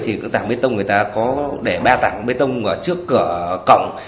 thì tảng bê tông người ta có để ba tảng bê tông ở trước cửa cọng